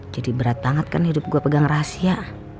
jadi berat banget kan hidup gua pegang rahasia